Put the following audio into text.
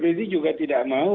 rizik juga tidak mau